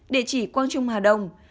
địa chỉ quang trung hà đông